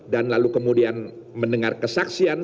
dan lalu kemudian mendengar kesaksian